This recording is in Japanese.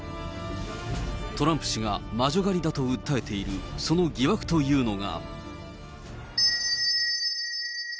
トランプ氏が魔女狩りだと訴えているその疑惑というのが。